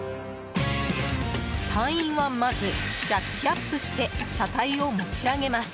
隊員は、まずジャッキアップして車体を持ち上げます。